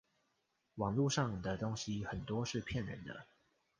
網路上的東西很多是騙人的